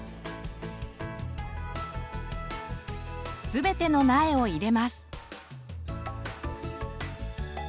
全ての苗を入れます。